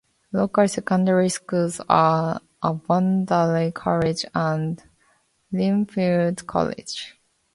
Local secondary schools are Avondale College and Lynfield College.